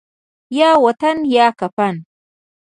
یا وطن یا کفن